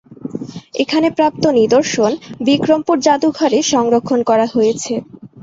এখানে প্রাপ্ত নিদর্শন বিক্রমপুর জাদুঘরে সংরক্ষণ করা হয়েছে।